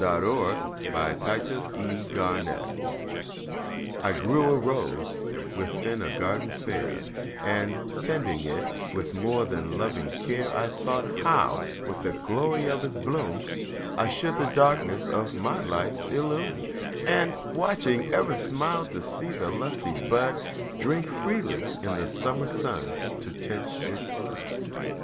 Paul Laurence Dunbar Promise I GREW a rose within a garden fair, And, tending it with more than loving care, I thought how, with the glory of its bloom, I should the darkness of my life illume; And, watching, ever smiled to see the lusty bud Drink freely in the summer sun to tinct its blood.